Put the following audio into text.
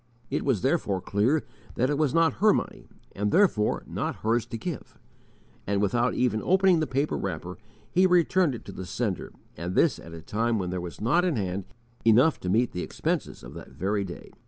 It was therefore clear that it was not her money, and therefore not hers to give; and without even opening the paper wrapper he returned it to the sender and this at a time when there was _not in hand enough to meet the expenses of that very day.